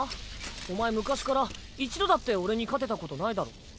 お前昔から一度だって俺に勝てたことないだろ。